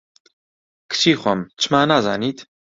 کچی خۆم، چما نازانیت